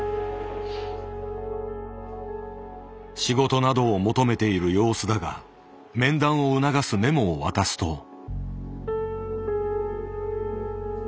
仕事などを求めている様子だが面談を促すメモを渡すと。